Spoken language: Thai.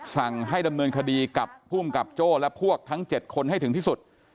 สั่งให้ดำเนินคดีกับภูมิกับโจ้และพวกทั้ง๗คนให้ถึงที่สุด